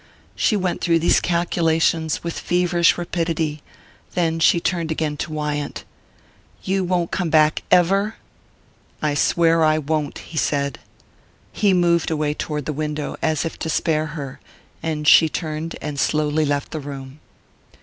She went through these calculations with feverish rapidity; then she turned again to Wyant. "You won't come back ever?" "I swear I won't," he said. He moved away toward the window, as if to spare her; and she turned and slowly left the room.